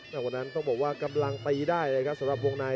แต่วันนั้นต้องบอกว่ากำลังตีได้เลยครับสำหรับวงใน